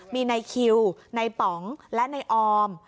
มีในคิวในป๋องและนายออม